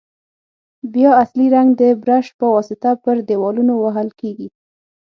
بیا اصلي رنګ د برش په واسطه پر دېوالونو وهل کیږي.